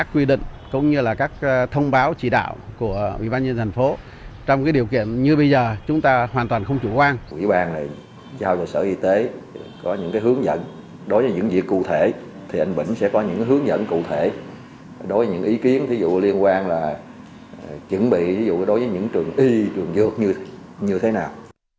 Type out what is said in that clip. quỹ ban này cho sở y tế có những hướng dẫn đối với những việc cụ thể thì anh bỉnh sẽ có những hướng dẫn cụ thể đối với những ý kiến liên quan là chuẩn bị đối với những trường y trường dược như thế nào